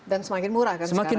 dan semakin murah kan sekarang ini